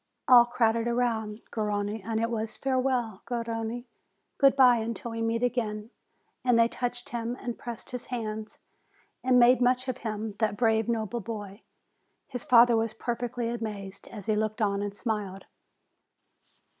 All crowded around Garrone, and it was, "Fare well, Garrone! Good bye until we meet again!" And they touched him, and pressed his hands, and FAREWELL 349 made much of him, that brave, noble boy. His father was perfectly amazed, as he looked on and smiled.